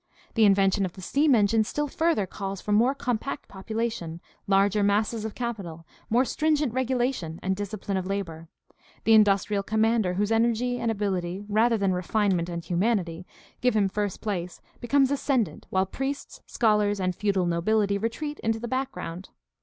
The invention of the steam engine still further calls for more compact popu lation, larger masses of capital, more stringent regulation and discipline of labor. The industrial commander whose energy and ability, rather than refinement and humanity, give him first place becomes ascendant, while priests, scholars, and feudal nobihty retreat into the background.